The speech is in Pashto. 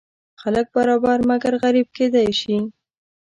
خلک برابر مګر غریب کیدی شي.